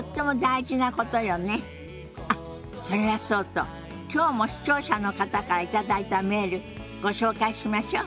あっそれはそうときょうも視聴者の方から頂いたメールご紹介しましょ。